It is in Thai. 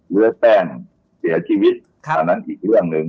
เนื้อแป้งเสียชีวิตอันนั้นอีกเรื่องหนึ่ง